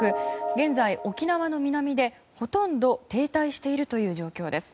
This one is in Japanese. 現在、沖縄の南でほとんど停滞しているという状況です。